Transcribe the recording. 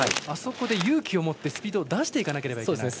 あそこで勇気を持ってスピードを出していかなきゃいけない。